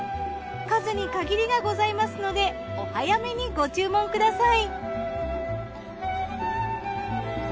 数に限りがございますのでお早めにご注文ください。